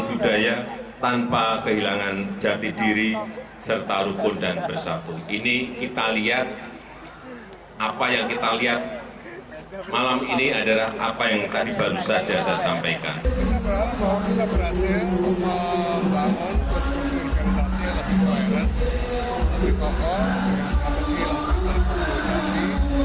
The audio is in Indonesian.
untuk mencapai target target capaian dari jokowi